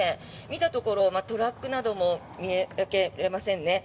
見たところトラックなども見受けられませんね。